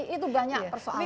itu banyak persoalan